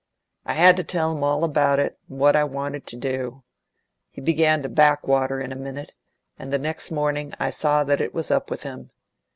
I had to tell him all about it, and what I wanted to do. He began to back water in a minute, and the next morning I saw that it was up with him.